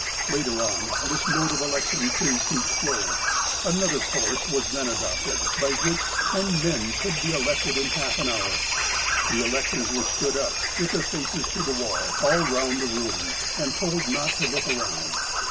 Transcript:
Later on, this mode of election proved too slow. Another course was then adopted, by which ten men could be elected in half an hour. The electors were stood up, with their faces to the wall, all round the room, and told not to look around.